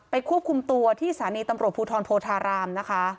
ไปควบคุมตัวที่ศาลีตำรวจภูทรโพธาราม